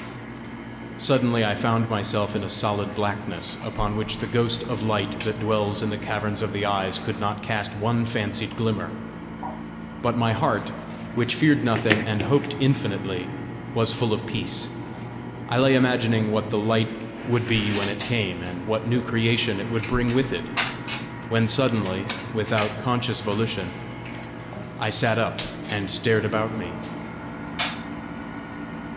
Suddenly I found myself in a solid blackness, upon which the ghost of light that dwells in the caverns of the eyes could not cast one fancied glimmer. But my heart, which feared nothing and hoped infinitely, was full of peace. I lay imagining what the light would be when it came, and what new creation it would bring with it when, suddenly, without conscious volition, I sat up and stared about me.